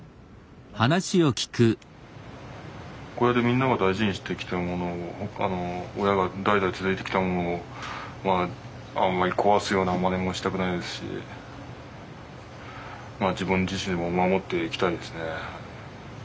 小屋でみんなが大事にしてきたものを親が代々続いてきたものをあんまり壊すようなまねもしたくないですし自分自身でも守っていきたいですね。